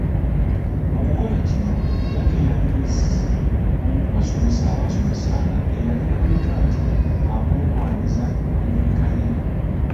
Mu kukola kino, Lucky yali yeesize omu ku basomesa abaabasomesanga, eyali alabika nti amwegwanyiza olw’endabikaye.